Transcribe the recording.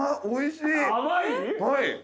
おいしい